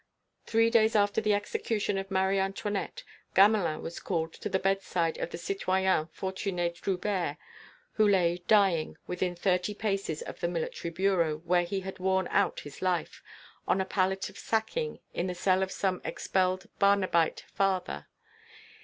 Three days after the execution of Marie Antoinette Gamelin was called to the bedside of the citoyen Fortuné Trubert, who lay dying, within thirty paces of the Military Bureau where he had worn out his life, on a pallet of sacking, in the cell of some expelled Barnabite father.